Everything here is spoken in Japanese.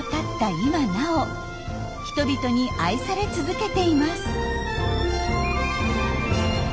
今なお人々に愛され続けています。